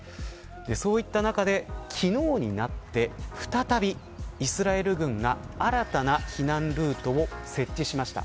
そういった中で、昨日になって再びイスラエル軍が新たな避難ルートを設置しました。